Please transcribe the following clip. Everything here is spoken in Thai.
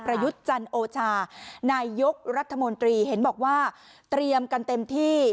ยุทธ์จันโอชานายกรัฐมนตรีเห็นบอกว่าเตรียมกันเต็มที่